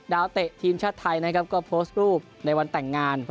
เตะทีมชาติไทยนะครับก็โพสต์รูปในวันแต่งงาน